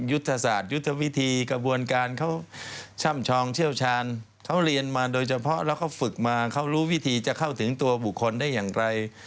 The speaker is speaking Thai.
ยุทธศาสตร์ยุทธวิธีกระบวนการเขาช่ำชองเชี่ยวชาญเขาเรียนมาโดยเฉพาะแล้วเขาฝึกมาเขารู้วิธีจะเข้าถึงตัวบุคคลได้อย่างไร